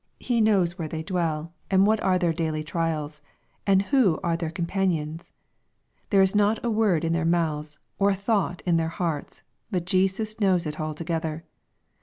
He kno^s where they dwell, and LUKE, CHAP. XIX. 309 what are their daily trials, and who are their companicns. There is not a word in their mouths, or a thought in their hearts, but Jesus knows it altogether.